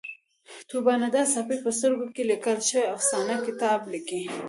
طوبا ندا ساپۍ د په سترګو کې لیکل شوې افسانه کتاب لیکلی